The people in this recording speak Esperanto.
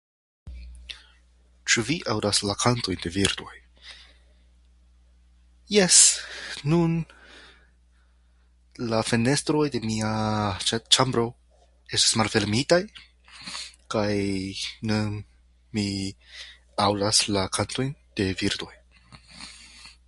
Ĉu vi aŭdas la kantojn de birdoj? Jes, nun la fenestroj de mia ĉe- ĉambro estas malfermitaj kaj nun mi aŭdas la kantojn de birdoj.